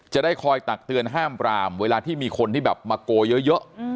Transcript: จะได้คอยตักเตือนห้ามปรามเวลาที่มีคนที่แบบมาโกยเยอะ